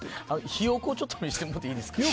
ひよこを見せてもらっていいですか？